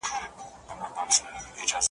تش له بګړیو له قلمه دی، بېدیا کلی دی ,